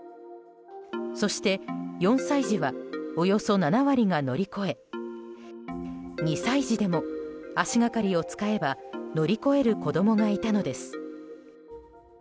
そして４歳児はおよそ７割が乗り越え２歳児でも足掛かりを使えば乗り越える子供がいたのです。